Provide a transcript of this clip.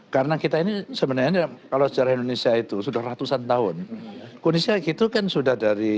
karena kita ini sebenarnya kalau sejarah indonesia itu sudah ratusan tahun kondisi itu kan sudah dari